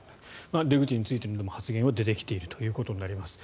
出口についての発言は出てきているということになります。